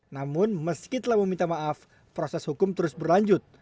namun meski telah meminta maaf proses hukum terus berlanjut